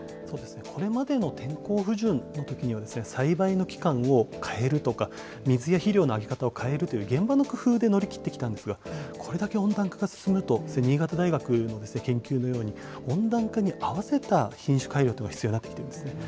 これまでの天候不順のときには、栽培の期間を変えるとか、水や肥料のあげ方を変えるという現場の工夫で乗り切ってきたんですが、これだけ温暖化が進むと、新潟大学の研究のように温暖化に合わせた品種改良というのが必要になってきていますね。